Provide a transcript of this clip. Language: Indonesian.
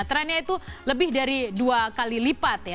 trennya itu lebih dari dua kali lipat